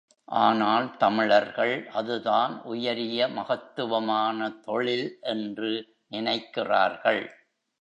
ஆனால் தமிழர்கள், அதுதான் உயரிய மகத்துவமான தொழில் என்று நினைக்கிறார்கள்.